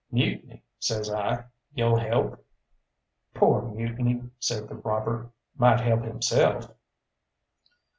"Mutiny," says I, "you'll help?" "Poor Mutiny," said the robber, "might help himself."